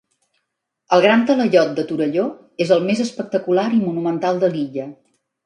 El gran talaiot de Torelló és el més espectacular i monumental de l'illa.